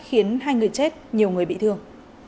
khiến hai người chết nhiều người bị thương